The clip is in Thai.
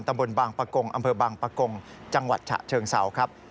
ตำบลบางประกงอำเภอบางประกงจังหวัดฉะเชิงเสาครับ